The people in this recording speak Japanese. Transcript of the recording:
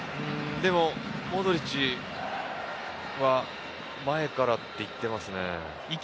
でもモドリッチは前からって言ってますね。